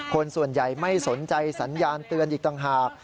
คนส่วนใหญ่ไม่สนใจสัญญาณเตือนอีกต่างหาก